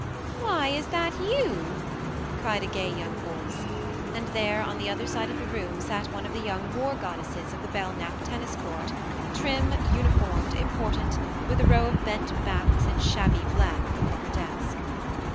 " Why, is that you ?" cried a gay young voice ; and there, on the other side of the room, sat one of the young war goddesses of the Belknap tennis court, trim, uniformed, important, with THE MARNE 73 a row of bent backs in shabby black before her desk.